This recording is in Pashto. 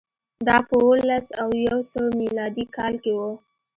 دا په اووه لس او یو سوه میلادي کال کې و